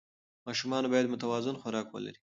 ماشومان باید متوازن خوراک ولري.